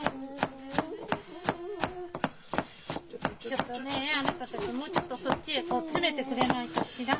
ちょっとねえあなたたちもうちょっとそっちへ詰めてくれないかしら。